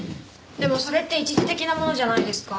でもそれって一時的なものじゃないですか？